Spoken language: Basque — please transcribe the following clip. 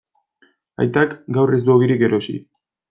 Aitak gaur ez du ogirik erosi.